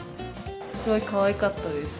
すごいかわいかったです。